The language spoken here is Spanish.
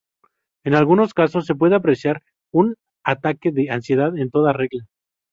En algunos casos se puede apreciar un ataque de ansiedad en toda regla.